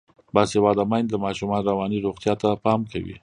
باسواده میندې د ماشومانو رواني روغتیا ته پام کوي.